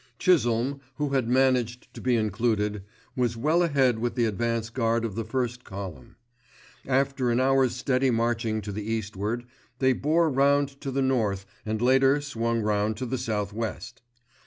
Chisholme, who had managed to be included, was well ahead with the advance guard of the first column. After an hour's steady marching to the eastward they bore round to the north and later swung round to the south west.